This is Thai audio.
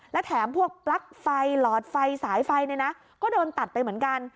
และแถมพวกปลั๊กไฟหลอดไฟสายไฟเนี่ยนะก็โดนตัดไปเหมือนกัน